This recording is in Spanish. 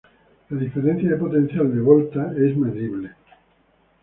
La diferencia de potencial de Volta es medible.